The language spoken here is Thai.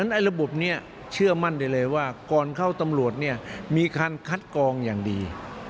ระบบนี้เชื่อมั่นได้เลยว่าก่อนเข้าตำรวจเนี่ยมีการคัดกองอย่างดี